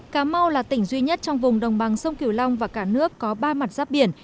cà mau là tỉnh duy nhất trong vùng đồng bằng sông kiều long và cả nước có ba mặt giáp biển